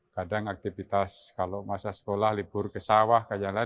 kadang aktivitas kalau masa sekolah libur kesawah kajalan